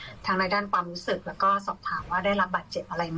ทางในด้านความรู้สึกแล้วก็สอบถามว่าได้รับบาดเจ็บอะไรไหม